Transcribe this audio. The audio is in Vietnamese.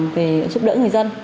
về giúp đỡ người dân